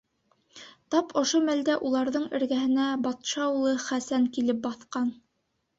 Тап ошо мәлдә уларҙың эргәһенә батша улы Хәсән килеп баҫҡан.